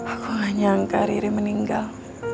aku gak nyangka ri meninggal